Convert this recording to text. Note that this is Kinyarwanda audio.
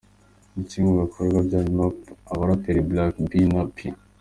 Iki ni kimwe mu bikorwa bya nyuma abaraperi Black-B na P.